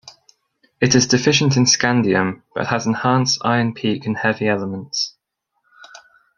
It is deficient in scandium but has enhanced iron peak and heavy elements.